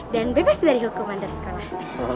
dan bebas dari hukuman dari sekolah